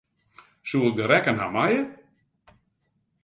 Soe ik de rekken ha meie?